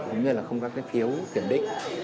cũng như là không có cái phiếu kiểm định